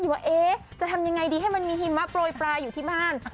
ว่าจะทำยังไงดีให้มันมีหิมะโปรยปลายอยู่ที่บ้าน